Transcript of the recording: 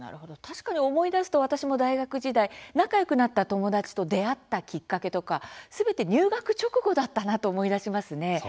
確かに思い出すと私も大学時代、仲よくなった友達と出会ったきっかけとかすべて入学直後だったなと思い出しますね。